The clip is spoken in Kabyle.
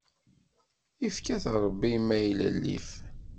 Ifka-t Ṛebbi i maylellif.